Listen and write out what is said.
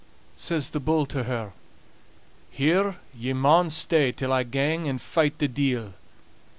Says the bull to her: "Here ye maun stay till I gang and fight the deil.